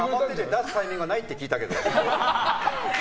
出すタイミングがないって聞いたけど。